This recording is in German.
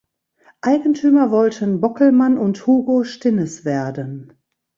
Eigentümer wollten Bockelmann und Hugo Stinnes werden.